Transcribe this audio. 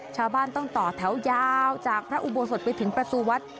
ชาวบ้านต้องต่อแถวยาวจากพระอุโบสถไปถึงประตูวัด